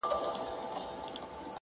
په قدم د سپېلني به د رڼا پر لوري ځمه -